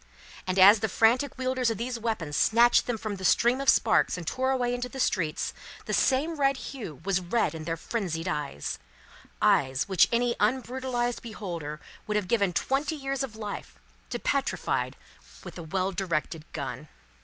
And as the frantic wielders of these weapons snatched them from the stream of sparks and tore away into the streets, the same red hue was red in their frenzied eyes; eyes which any unbrutalised beholder would have given twenty years of life, to petrify with a well directed gun.